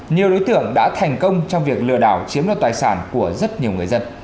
nhiều đối tượng đã thành công trong việc lừa đảo chiếm đoạt tài sản của rất nhiều người dân